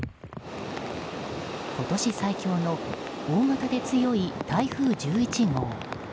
今年最強の大型で強い台風１１号。